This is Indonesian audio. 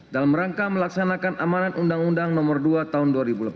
dalam rangka melaksanakan amanat undang undang nomor dua tahun dua ribu delapan belas